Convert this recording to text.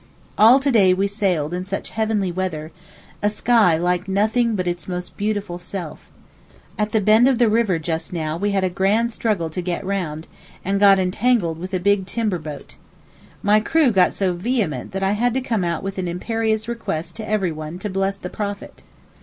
All to day we sailed in such heavenly weather—a sky like nothing but its most beautiful self. At the bend of the river just now we had a grand struggle to get round, and got entangled with a big timber boat. My crew got so vehement that I had to come out with an imperious request to everyone to bless the Prophet.